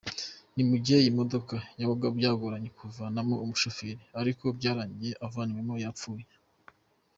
Mu gihe iyi modoka yagwaga, byagoranya kuvanamo umushoferi, ariko byarangiye avanywemo yapfuye.